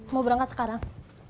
mau berangkat sekarang